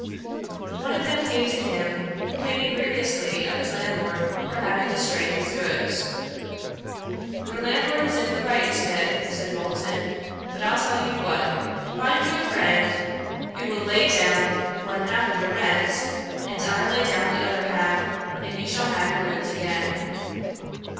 One of them came to him, complaining grievously of his landlord for having distrained his goods.' 'Your landlord is in the right, Smith, (said Bolton). But I'll tell you what: find you a friend who will lay down one half of your rent, and I'll lay down the other half; and you shall have your goods again.'